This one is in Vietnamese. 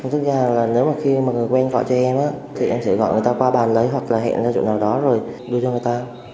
thực ra là nếu mà khi mà người quen gọi cho em thì em sẽ gọi người ta qua bàn lấy hoặc là hẹn ở chỗ nào đó rồi đưa cho người ta